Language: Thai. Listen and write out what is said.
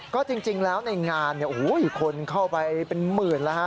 ก็จริงแล้วในงานคนเข้าไปเป็นหมื่นแล้วฮะ